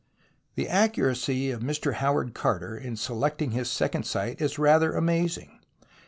The accuracy of Mr. Howard Carter in selecting his second site is rather amazing.